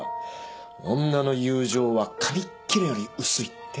女の友情は紙っ切れより薄いって？